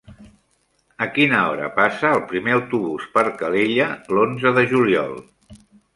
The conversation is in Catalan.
A quina hora passa el primer autobús per Calella l'onze de juliol?